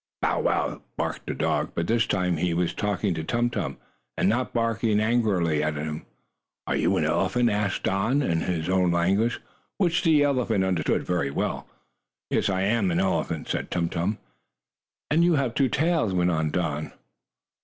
"Bow wow!" barked Don, but this time he was talking to Tum Tum, and not barking angrily at him. "Are you an elephant?" asked Don, in his own language, which the elephant understood very well. "Yes, I am an elephant," said Tum Tum. "And you have two tails," went on Don.